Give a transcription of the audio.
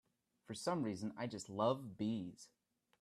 For some reason I just love bees.